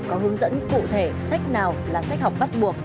có hướng dẫn cụ thể sách nào là sách học bắt buộc